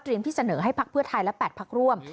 ที่เสนอให้พักเพื่อไทยและ๘พักร่วม